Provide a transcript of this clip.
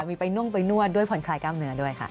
มีไปนุ่มไปนวดด้วยผ่อนคลายกล้ามเนื้อด้วยค่ะ